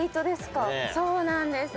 そうなんです。